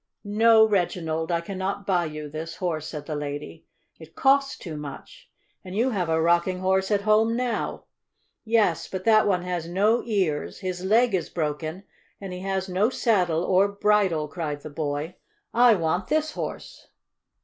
"No, Reginald, I cannot buy you this Horse," said the lady. "It costs too much, and you have a rocking horse at home now." "Yes, but that one has no ears, his leg is broken, and he has no saddle or bridle," cried the boy. "I want this horse!"